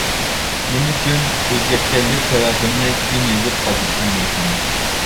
نېمە ئۈچۈن ئۆزگەرتكەنلىك سەۋەبىمنى كېيىن يېزىپ قالدۇرۇشۇم مۇمكىن.